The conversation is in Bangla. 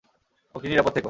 ওকে নিরাপদ থেকো।